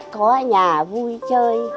có nhà vui chơi